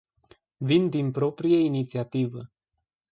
Vin din proprie inițiativă.